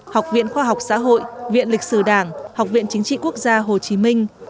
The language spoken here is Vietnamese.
học viện khoa học xã hội viện lịch sử đảng học viện chính trị quốc gia hồ chí minh